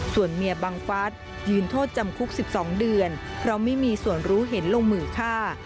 ส่วนเมียบังฟัสยืนโทษจำคุก๑๒เดือนเพราะไม่มีส่วนรู้เห็นลงมือฆ่า